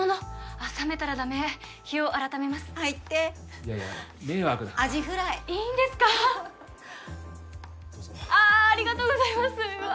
あっ冷めたらダメ日を改めます入っていやいや迷惑だからアジフライいいんですかどうぞああありがとうございますうわ